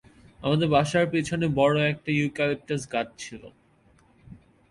আমাদের বাসার পিছনে বড়ো একটা ইউক্যালিপটাস গাছ ছিল।